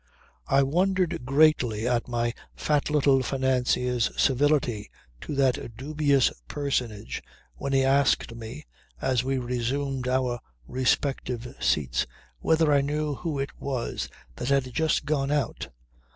I wondered greatly at my fat little financier's civility to that dubious personage when he asked me, as we resumed our respective seats, whether I knew who it was that had just gone out.